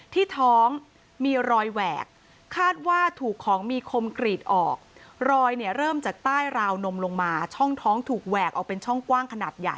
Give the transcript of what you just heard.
ที่ท้องมีรอยแหวกคาดว่าถูกของมีคมกรีตออก